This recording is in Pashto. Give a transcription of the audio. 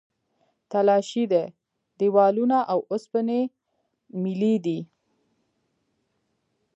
تلاشۍ دي، دیوالونه او اوسپنې میلې دي.